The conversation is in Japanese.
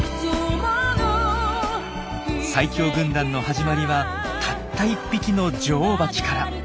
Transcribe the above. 最強軍団の始まりはたった１匹の女王バチから。